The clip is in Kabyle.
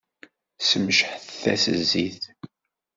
Ssemceḥ-as zzit.